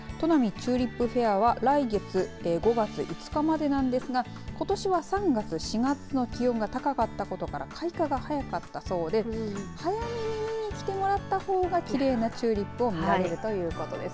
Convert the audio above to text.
チューリップフェアは来月５月５日までなんですがことしは３月、４月の気温が高かったことから開花が早かったそうで早めに見に来てもらったほうがきれいなチューリップを見られるということです。